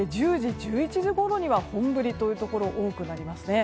１０時、１１時ごろには本降りというところ多くなりそうです。